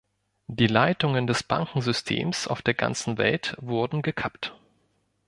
Die Leitungen des Bankensystems auf der ganzen Welt wurden gekappt.